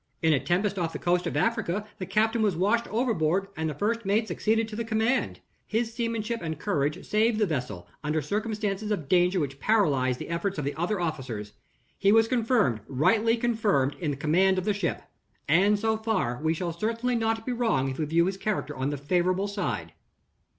In a tempest off the coast of Africa the captain was washed overboard and the first mate succeeded to the command. His seamanship and courage saved the vessel, under circumstances of danger which paralyzed the efforts of the other officers. He was confirmed, rightly confirmed, in the command of the ship. And, so far, we shall certainly not be wrong if we view his character on the favorable side."